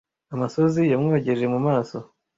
'Amosozi yamwogeje mu maso!